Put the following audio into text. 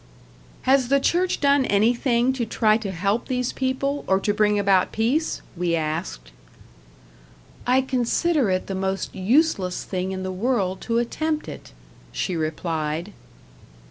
"Has the Church done anything to try to help these people, or to bring about peace?" we asked. "I consider it the most useless thing in the world to attempt it," she replied.